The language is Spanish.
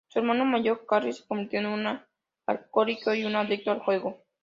Su hermano mayor, Carl, se convirtió en un alcohólico y un adicto al juego.